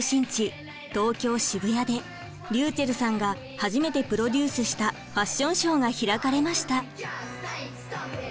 東京・渋谷でりゅうちぇるさんが初めてプロデュースしたファッションショーが開かれました。